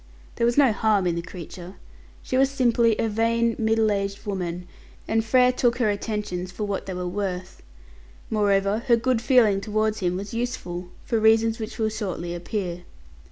There was no harm in the creature. She was simply a vain, middle aged woman, and Frere took her attentions for what they were worth. Moreover, her good feeling towards him was useful, for reasons which will shortly appear.